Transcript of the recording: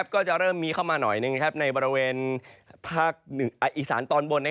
ก็จะเริ่มมีเข้ามาหน่อยหนึ่งในบริเวณภาคอีสานตอนบน